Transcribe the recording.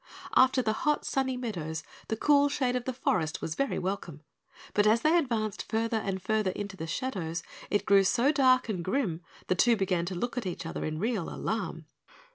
After the hot sunny meadows the cool shade of the forest was very welcome, but as they advanced farther and farther into the shadows, it grew so dark and grim the two began to look at each other in real alarm.